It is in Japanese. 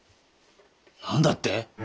何だって！？